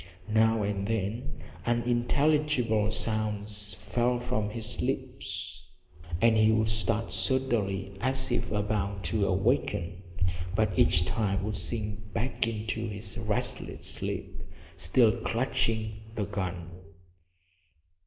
Now and then unintelligible sounds fell from his lips, and he would start suddenly as if about to awaken, but each time would sink back into his restless sleep, still clutching the gun.